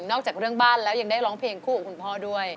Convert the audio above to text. จากเรื่องบ้านแล้วยังได้ร้องเพลงคู่กับคุณพ่อด้วย